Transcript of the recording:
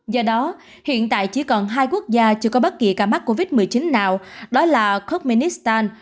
do đó hiện tại chỉ còn hai quốc gia chưa có bất kỳ ca mắc covid một mươi chín nào đó là kokmenistan